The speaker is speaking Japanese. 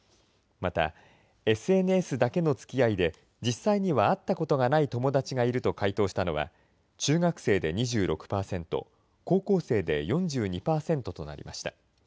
また、ＳＮＳだけのつきあいで実際には会ったことがない友達がいると回答したのは、中学生で２６％、高校生で４２％となりました。